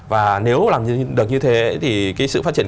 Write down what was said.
và nếu làm được như thế thì cái sự phát triển